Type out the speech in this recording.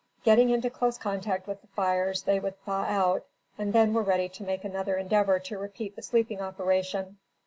Getting into close contact with the fires, they would thaw out and then were ready to make another endeavor to repeat the sleeping operation.